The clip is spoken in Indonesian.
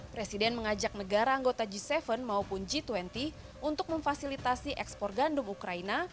presiden mengajak negara anggota g tujuh maupun g dua puluh untuk memfasilitasi ekspor gandum ukraina